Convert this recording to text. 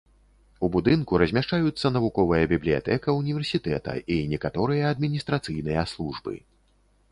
У будынку размяшчаюцца навуковая бібліятэка ўніверсітэта і некаторыя адміністрацыйныя службы.